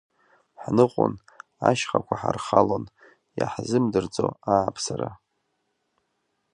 Ҳныҟәон, ашьхақәа ҳархалон, иаҳзымдырӡо ааԥсара.